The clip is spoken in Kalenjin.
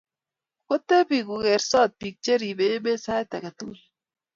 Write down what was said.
kotebi kogersot biko cheribe emet sait age tugul